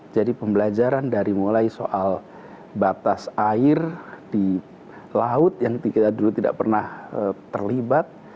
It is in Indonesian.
pembelajaran dari mulai soal batas air di laut yang kita dulu tidak pernah terlibat